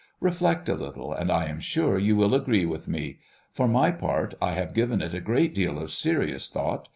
Reflect a little, and I am sure you will agree with me, for my part, I have given it a great deal of serious thought.